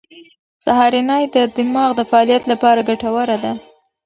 سهارنۍ د دماغ د فعالیت لپاره ګټوره ده.